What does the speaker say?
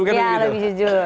ya lebih jujur